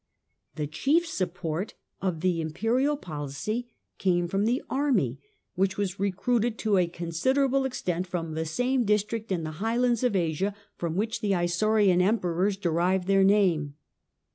The chief support of the Imperial policy came from the army, which was recruited to a considerable extent from the same district in the highlands of Asia from which the Isaurian emperors derived their name.